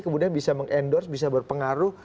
kemudian bisa mengendorse bisa berpengaruh